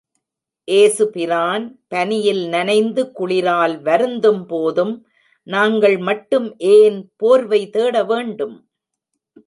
ஏசு பெருமான் பனியில் நனைந்து குளிரால் வருந்தும்போதும், நாங்கள் மட்டும் ஏன் போர்வை தேட வேண்டும்?